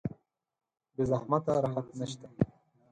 بې زحمته راحت نشته.